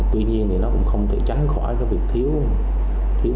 tuy nhiên nó cũng không thể tránh khỏi việc thiếu